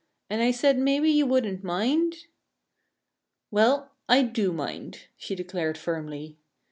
"And I said maybe you wouldn't mind." "Well, I do mind," she declared firmly.